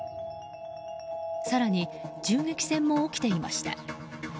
更に銃撃戦も起きていました。